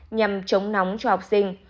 nhằm chống nóng cho học sinh